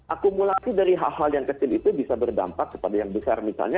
akumulasi dari hal hal yang kecil itu bisa berdampak kepada yang besar misalnya